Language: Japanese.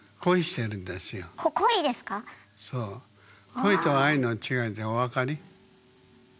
恋と愛の違いってお分かり？